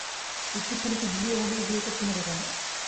একটি ছেলেকে ভুলিয়ে-ভালিয়ে বিয়ে করতে হবে কেন?